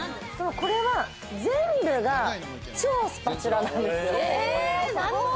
これは全部が超スパチュラなんです。